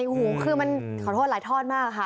โอ้โหขอบคุณหลายท่อนมากค่ะ